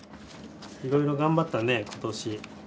いろいろ頑張ったね今年。